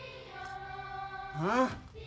うん？